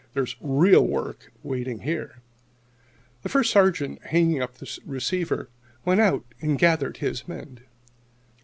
"There's real work waiting here." The First Sergeant, hanging up the receiver, went out and gathered his men.